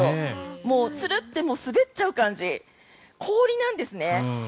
もうツルッて滑っちゃう感じ氷なんですね。